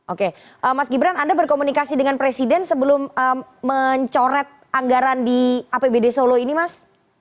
oke mas gibran anda berkomunikasi dengan presiden sebelum mencoret anggaran di apbd solo ini mas